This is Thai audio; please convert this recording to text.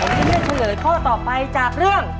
ตอนนี้จะเฉลยข้อต่อไปจากเรื่อง